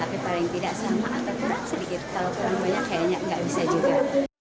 tapi paling tidak sama atau kurang sedikit kalau kurang banyak kayaknya nggak bisa juga